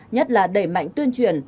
nhất là đẩy mạnh tuyên truyền